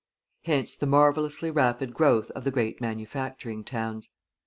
Hence the marvellously rapid growth of the great manufacturing towns.